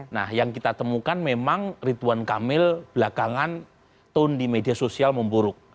nah yang kita temukan memang ridwan kamil belakangan tone di media sosial memburuk